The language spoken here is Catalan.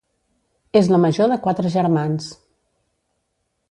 És la major de quatre germans.